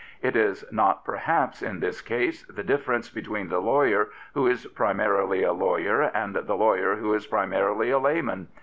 It is not perhaps, in this case, the difference between the lawyer who is primarily a lawyer and the lawyer who is primarily a layman.